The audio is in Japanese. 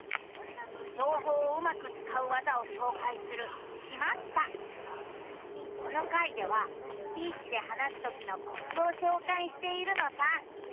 じょうほうをうまくつかう技をしょうかいするこの回ではスピーチで話すときのコツをしょうかいしているのさ。